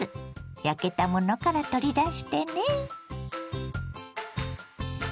焼けたものから取り出してね。